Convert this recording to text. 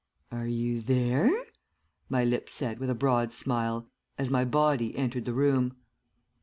"'Are you there?' my lips said with a broad smile, as my body entered the room.